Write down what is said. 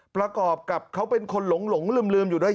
ประกอบกับเขาเป็นคนหลงลืมอยู่ด้วย